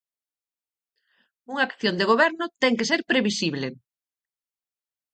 Unha acción de goberno ten que ser previsible.